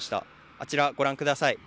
あちら、ご覧ください。